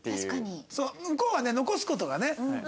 向こうはね残す事がね